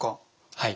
はい。